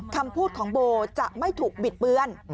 คำพูดของโบจะไม่ถูกบิดเบือน